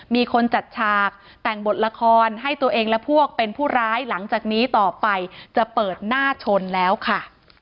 มีคนจัดฉากแต่งบทละครให้ตัวเองและพวกเป็นผู้ร้ายหลังจากนี้ต่อไปจะเปิดหน้าชนแล้วค่ะ